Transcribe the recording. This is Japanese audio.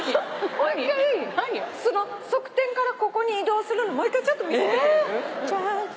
もう一回側転からここに移動するのもう一回ちょっと見せてくれる？